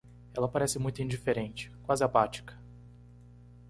Ela parece muito indiferente? quase apática.